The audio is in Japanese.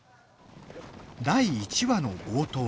第１話の冒頭